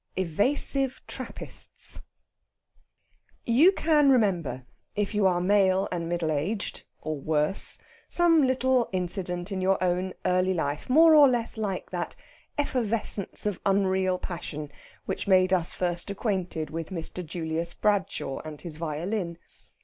EVASIVE TRAPPISTS You can remember, if you are male and middle aged, or worse, some little incident in your own early life more or less like that effervescence of unreal passion which made us first acquainted with Mr. Julius Bradshaw and his violin.